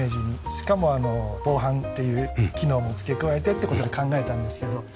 しかも防犯という機能も付け加えてっていう事で考えたんですけど。